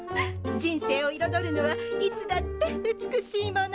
人生をいろどるのはいつだって美しいもの！